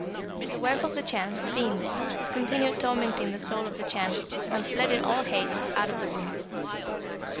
"The wife of the Chan seeing this discontinued tormenting the soul of the Chan, and fled in all haste out of the room.